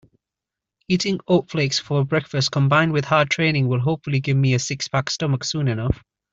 Eating oat flakes for breakfast combined with hard training will hopefully give me a six-pack stomach soon enough.